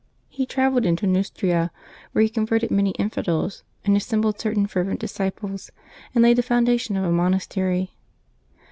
He travelled into Neustria, where he converted many infidels, and assembled certain fervent disciples, and laid the foundation of a monastery.